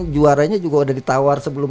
juaranya juga udah ditawar sebelum